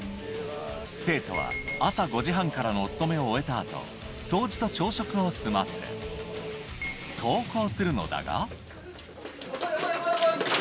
生徒は、朝５時半からのお勤めを終えたあと、掃除と朝食を済ませ、登校するのだが。